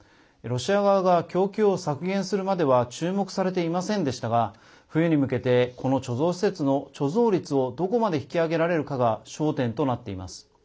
ロシア側が供給を削減するまでは注目されていませんでしたが冬に向けてこの貯蔵施設の貯蔵率をどこまで引き上げられるかが焦点となっています。